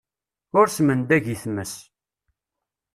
Ur smendag i times.